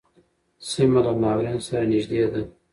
سیمه له ناورین سره نږدې ده.